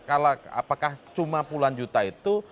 apakah cuma puluhan juta itu